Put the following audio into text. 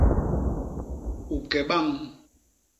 U ke bañ.